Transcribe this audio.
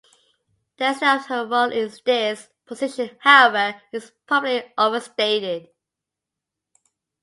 The extent of her role in this position, however, is probably overstated.